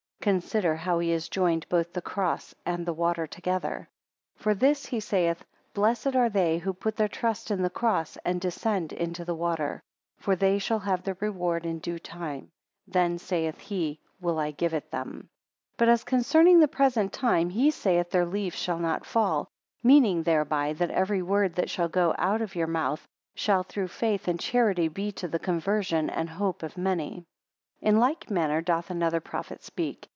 10 Consider how he has joined both the cross and the water together. 11 For this he saith: Blessed are they who put their trust in the cross, and descend into the water; for they shall have their reward in due time: then, saith he, will I give it them. 12 But as concerning the present time, he saith, their leaves shall not fall: meaning thereby, that every word that shall go out of your mouth, shall through faith and charity be to the conversion and hope of many. 13 In like manner doth another prophet speak.